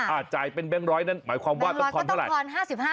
อ่าจ่ายเป็นแบงค์ร้อยนั้นหมายความว่าต้องทอนเท่าไหร่แบงค์ร้อยก็ต้องทอน๕๕